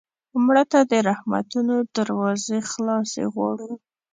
مړه ته د رحمتونو دروازې خلاصې غواړو